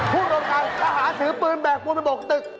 พูดตรงกันทหารถือปืนแบกปูนไปโบกตึก